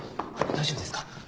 大丈夫ですか？